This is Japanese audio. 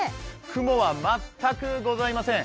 雲は全くございません。